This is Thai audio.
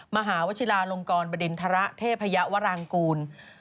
มหาวชิลารงกรบริณภะระเทพยาวรรางกูล